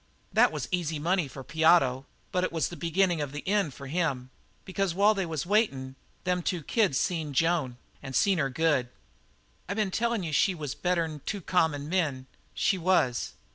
That was easy money for Piotto, but that was the beginnin' of the end for him; because while they was waitin', them two kids seen Joan and seen her good. "I been telling you she was better'n two common men. She was.